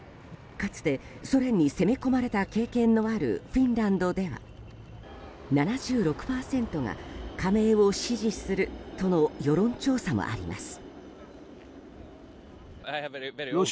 かつてソ連に攻め込まれた経験のあるフィンランドでは７６％が加盟を支持するとの世論調査もあります。